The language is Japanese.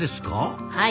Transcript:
はい。